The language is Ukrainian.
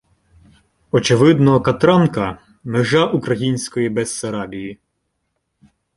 Очевидно, Катранка – межа української Бессарабії